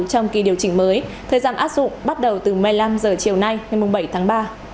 trong kỳ điều chỉnh mới thời gian áp dụng bắt đầu từ một mươi năm h chiều nay ngày bảy tháng ba